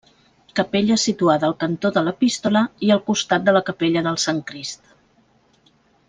Capella situada al cantó de l'epístola i al costat de la capella del Sant Crist.